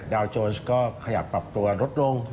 ดาวโจรสก็ขยับปรับตัวลดลง๑๐๐จุด